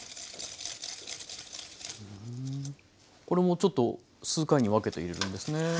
これもちょっと数回に分けて入れるんですね。